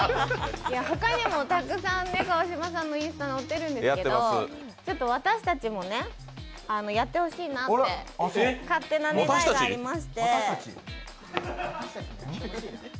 他にもたくさん、川島さんのインスタ載ってるんですけどちょっと私たちもやってほしいなって、勝手な願いがありまして。